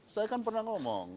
saya kan pernah ngomong